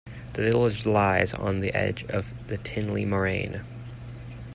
The village lies on the edge of the Tinley Moraine.